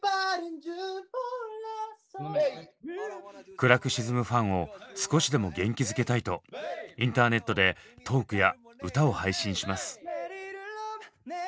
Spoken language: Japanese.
暗く沈むファンを少しでも元気づけたいとインターネットでトークや歌を配信します。